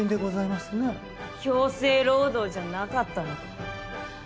強制労働じゃなかったの？